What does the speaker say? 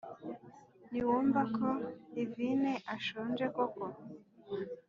ntiwumva ko divine ashonje koko,